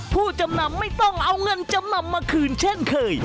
ผู้จำนำไม่ต้องเอาเงินจำนำมาคืนเช่นเคย